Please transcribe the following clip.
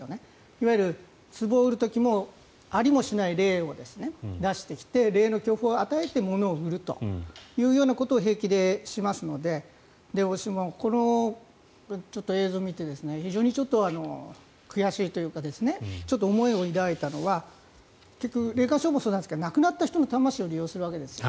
いわゆる、つぼを売る時もありもしない霊を出してきて霊の恐怖を与えて物を売るというようなことを平気でしますので私もこの映像を見て非常に悔しいというか思いを抱いたのは結局、霊感商法もそうですが亡くなった人の魂を利用するわけです。